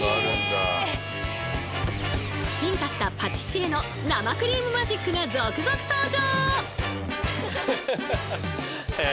進化したパティシエの生クリームマジックが続々登場！